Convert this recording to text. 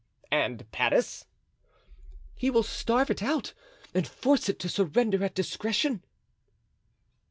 "And Paris?" "He will starve it out and force it to surrender at discretion."